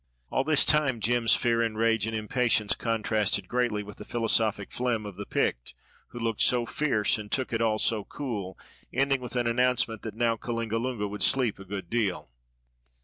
All this time Jem's fear and rage and impatience contrasted greatly with the philosophic phlegm of the Pict, who looked so fierce and took it all so cool, ending with an announcement that now Kalingalunga would sleep a good deal.